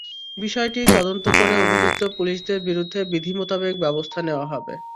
বিষয়টি তদন্ত করে অভিযুক্ত পুলিশদের বিরুদ্ধে বিধি মোতাবেক ব্যবস্থা নেওয়া হবে।